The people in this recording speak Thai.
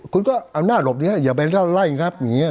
คุณก็อำนาจหลบนี้อย่าไปไล่งับอย่างนี้